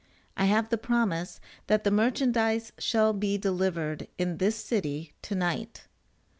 I have the promise that the merchandize shall be delivered in this city to night.